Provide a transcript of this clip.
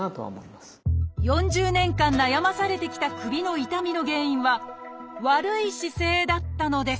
４０年間悩まされてきた首の痛みの原因は悪い姿勢だったのです。